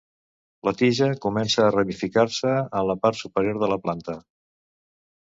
La tija comença a ramificar-se en la part superior de la planta.